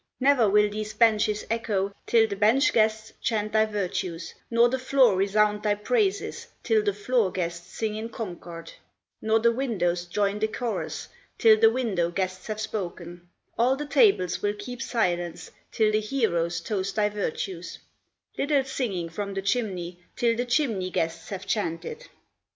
Never will these benches echo Till the bench guests chant thy virtues; Nor the floor resound thy praises Till the floor guests sing in concord; Nor the windows join the chorus Till the window guests have spoken; All the tables will keep silence Till the heroes toast thy virtues; Little singing from the chimney Till the chimney guests have chanted."